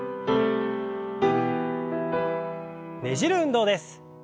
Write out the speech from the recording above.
ねじる運動です。